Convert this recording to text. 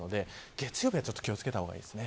月曜日はちょっと気を付けた方がいいです。